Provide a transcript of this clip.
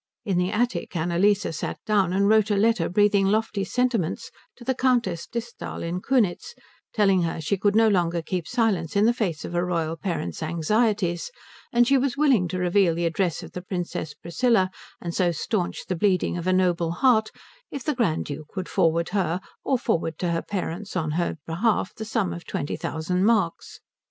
In the attic Annalise sat down and wrote a letter breathing lofty sentiments to the Countess Disthal in Kunitz, telling her she could no longer keep silence in the face of a royal parent's anxieties and she was willing to reveal the address of the Princess Priscilla and so staunch the bleeding of a noble heart if the Grand Duke would forward her or forward to her parents on her behalf the sum of twenty thousand marks.